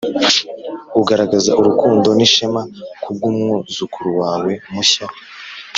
ugaragaza urukundo n'ishema kubwumwuzukuru wawe mushya